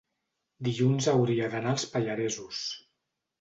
dilluns hauria d'anar als Pallaresos.